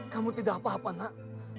kamu tidak apa apa nak